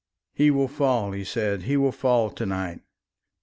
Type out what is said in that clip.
"He will fall," he said, "he will fall to night.